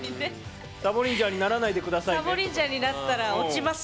サボリンジャーにならないでくださいね。